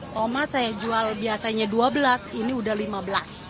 tomat saya jual biasanya rp dua belas ini udah rp lima belas